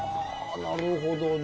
なるほどね。